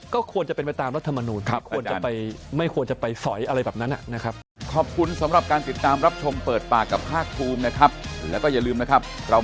ก็ควรจะเป็นไปตามรัฐมนุษย์ไม่ควรจะไปสอยอะไรแบบนั้นนะครับ